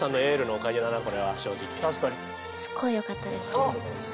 ありがとうございます。